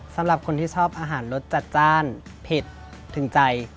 สำหรับคนที่ชอบอาหารรสจัดจ้านเผ็ดถึงใจ